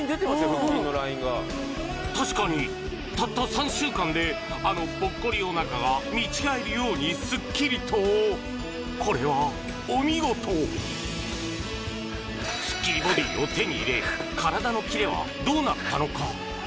腹筋のラインが確かにたった３週間であのぽっこりおなかが見違えるようにスッキリとこれはお見事スッキリボディを手に入れ体のキレはどうなったのか？